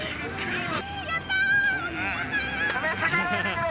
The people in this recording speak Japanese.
やったー！